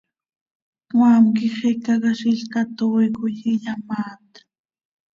Cmaam quih xicaquiziil catooi coi iyamaaat.